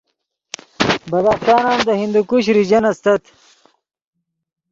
بدخشان ام دے ہندوکش ریجن استت